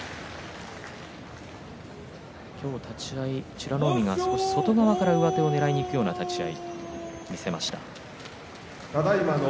今日立ち合い、美ノ海が少し外側から上手をねらいにいくような立ち合いを見せました。